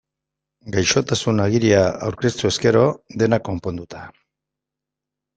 Gaixotasun-agiria aurkeztuz gero, dena konponduta.